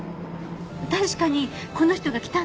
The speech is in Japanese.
確かにこの人が来たんですね？